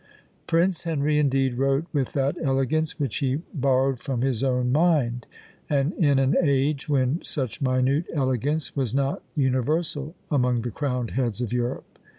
Prince Henry, indeed, wrote with that elegance which he borrowed from his own mind; and in an age when such minute elegance was not universal among the crowned heads of Europe.